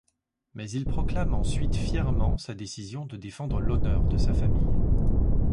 Mais il proclame ensuite fièrement sa décision de défendre l'honneur de sa famille.